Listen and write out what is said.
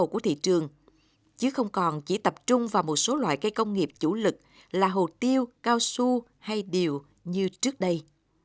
chỉ cần tập trung vào một số loại cây công nghiệp chủ lực là hồ tiêu cao su hay điều như trước đây